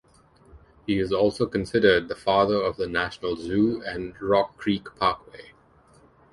He is also considered the father of the National Zoo and Rock Creek Parkway.